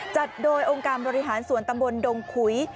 จัดโดยองค์การบริหารส่วนตำบลดงขุย